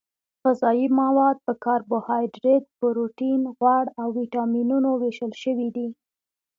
غذايي مواد په کاربوهایدریت پروټین غوړ او ویټامینونو ویشل شوي دي